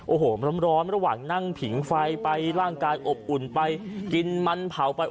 โอ้โหร้อนระหว่างนั่งผิงไฟไปร่างกายอบอุ่นไปกินมันเผาไป